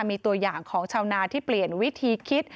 มีตัวอย่างของชาวนาที่เปลี่ยนวิธีคิด